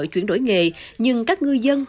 chuyển đổi nghề nhưng các ngư dân